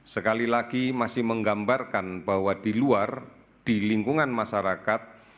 sekali lagi masih menggambarkan bahwa di luar di lingkungan masyarakat